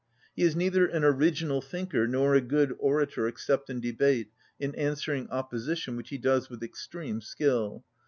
He is neither an original thinker nor a good orator except in debate, in answering opposition, which he does with extreme skill.